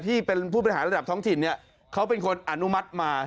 ที่เป็นผู้บริหารระดับท้องถิ่นเนี่ยเขาเป็นคนอนุมัติมา